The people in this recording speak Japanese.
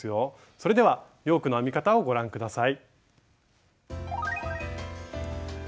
それではヨークの編み方をご覧下さい。